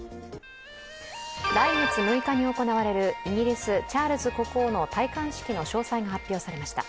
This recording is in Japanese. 来月６日に行われるイギリス・チャールズ国王の戴冠式の詳細が発表されました。